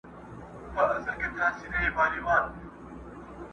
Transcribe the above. چي لیدلی یې مُلا وو په اوبو کي٫